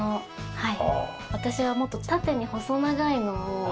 はい。